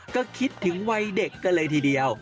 ก็คิดถึงวัยเด็กกันเลยทีเดียว